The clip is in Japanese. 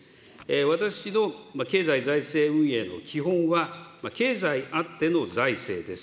私の経済財政運営の基本は、経済あっての財政です。